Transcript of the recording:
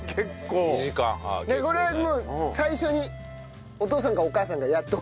これはもう最初にお父さんかお母さんがやっておく。